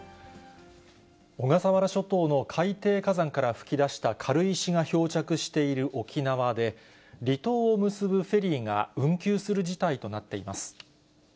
小笠原諸島の海底火山から噴き出した軽石が漂着している沖縄で、離島を結ぶフェリーが運休する事態となっています。